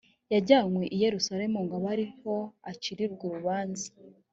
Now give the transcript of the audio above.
yajyanywe i yerusalemu ngo abe ari ho acirirwa urubanza